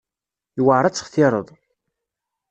Yewεer ad textireḍ.